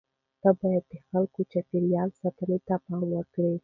ته باید د خپل چاپیریال ساتنې ته پام وکړې.